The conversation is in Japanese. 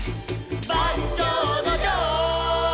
「バンジョーのジョー」